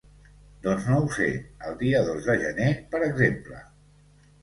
Doncs no ho sé, el dia dos de Gener per exemple.